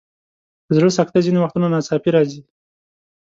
د زړه سکته ځینې وختونه ناڅاپي راځي.